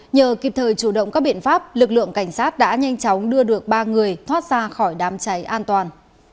nhờ kịp thời chủ động các biện pháp lực lượng cảnh sát đã nhanh chóng đưa được ba người thoát ra khỏi đám cháy an toàn